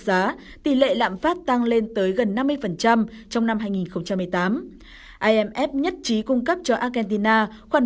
giá tỷ lệ lạm phát tăng lên tới gần năm mươi trong năm hai nghìn một mươi tám imf nhất trí cung cấp cho argentina khoản